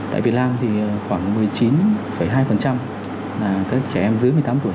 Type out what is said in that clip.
tại việt nam thì khoảng một mươi chín hai là các trẻ em dưới một mươi tám tuổi